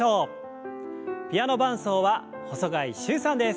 ピアノ伴奏は細貝柊さんです。